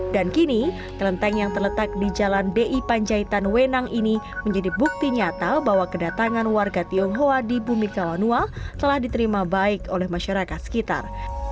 dan kini kelenteng yang terletak di jalan di panjaitan wenang ini menjadi bukti nyata bahwa kedatangan warga tionghoa di bumi kawanua telah diterima baik oleh masyarakat sekitar